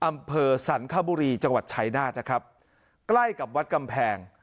อำเภอสรรคบุรีจังหวัดชายนาฏนะครับใกล้กับวัดกำแพง